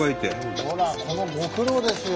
ほらこのご苦労ですよ。